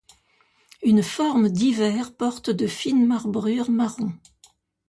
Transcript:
Une forme d'hiver porte de fines marbrures marron.